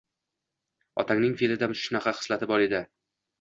Otangning fe`lida shunaqa xislati bor edi